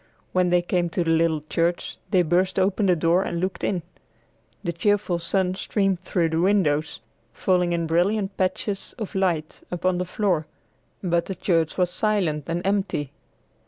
When they came to the little church, they burst open the door and looked in. The cheerful sun streamed through the windows, falling in brilliant patches of light upon the floor, but the church was silent and empty.